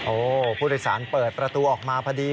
ผู้โดยสารเปิดประตูออกมาพอดี